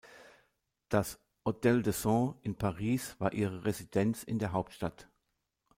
Das Hôtel de Sens in Paris war ihre Residenz in der Hauptstadt.